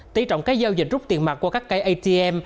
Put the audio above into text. tí trọng cái giao dịch rút tiền mặt qua các cây atm